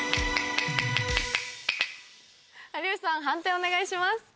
判定お願いします。